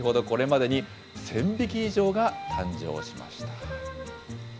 これまでに１０００匹以上が誕生しました。